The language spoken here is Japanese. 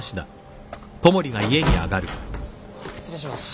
失礼します。